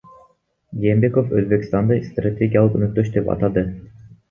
Жээнбеков Өзбекстанды стратегиялык өнөктөш деп атады